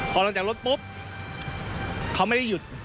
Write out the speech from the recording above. พอลงจากรถปุ๊บเขาไม่ได้หยุด